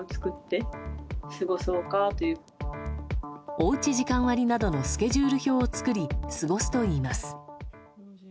おうち時間割などのスケジュール表を作り過ごすといいます。